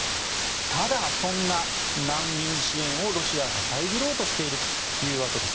ただ、そんな難民支援をロシアが遮ろうとしているというわけです。